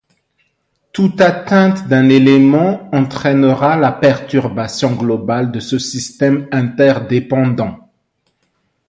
Toute atteinte d'un élément entrainera la perturbation globale de ce système interdépendant.